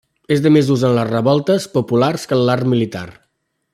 És de més ús en les revoltes populars que en l'art militar.